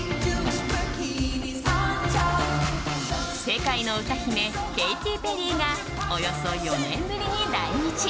世界の歌姫、ケイティ・ペリーがおよそ４年ぶりに来日。